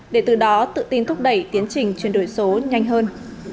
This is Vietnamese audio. để từ đó tự tin thúc đẩy tiến trình chuyển đổi số nhanh hơn